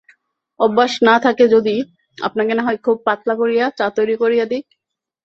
অভ্যাস না থাকে যদি, আপনাকে নাহয় খুব পাতলা করিয়া চা তৈরি করিয়া দিই।